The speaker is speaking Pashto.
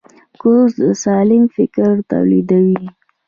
کورس د سالم فکر تولیدوي.